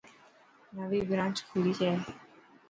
نوي برانچ کلي هي.